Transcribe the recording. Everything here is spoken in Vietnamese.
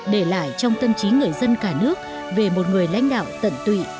để lại trong tâm trí người dân cả nước về một người lãnh đạo tận tụy